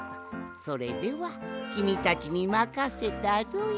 それではきみたちにまかせたぞい！